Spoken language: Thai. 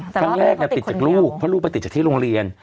ตั้งแต่ติดจากลูกเพราะลูกไปติดจากที่โรงเรียน